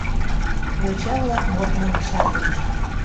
Йоча-влак модмым чарнышт: